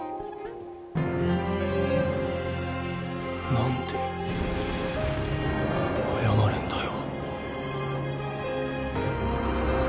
なんで謝るんだよ。